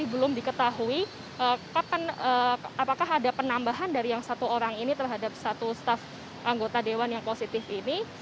belum diketahui apakah ada penambahan dari yang satu orang ini terhadap satu staf anggota dewan yang positif ini